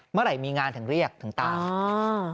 เมื่อไหร่มีงานถึงเรียกถึงตามอ่า